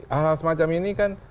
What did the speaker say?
hal hal semacam ini kan